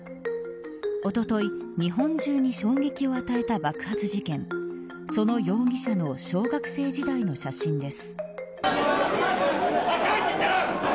おととい、日本中に衝撃を与えた爆発事件その容疑者の小学生時代の写真です。